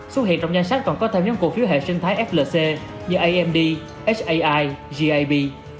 xuất hiện trong danh sách còn có thêm những cổ phiếu hệ sinh thái flc như amd sai gab